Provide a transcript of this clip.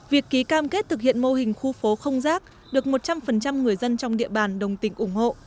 việc ký cam kết thực hiện mô hình khu phố không rác được một trăm linh người dân trong địa bàn đồng tình ủng hộ